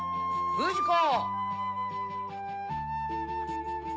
不二子。